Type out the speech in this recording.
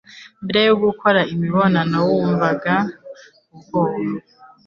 mbere yo gukora imibonano wumvaga ubwoba,